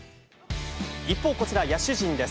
一方こちら、野手陣です。